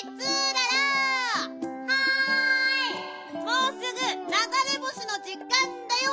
もうすぐながれ星のじかんだよ！